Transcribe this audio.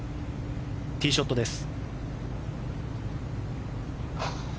ティーショットです。